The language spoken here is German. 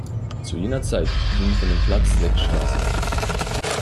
Zu jener Zeit gingen von dem Platz sechs Straßen ab.